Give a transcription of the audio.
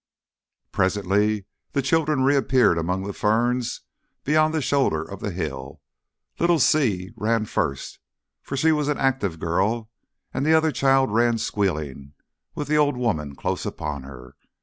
Presently the children reappeared among the ferns beyond the shoulder of the hill. Little Si ran first, for she was an active girl, and the other child ran squealing with the old woman close upon her.